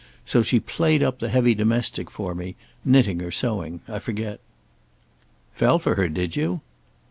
So she played up the heavy domestic for me; knitting or sewing, I forget." "Fell for her, did you?"